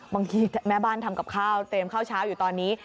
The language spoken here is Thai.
บางทีแม่บ้านทำกับข้าวเตรียมข้าวเช้าอยู่ตอนนี้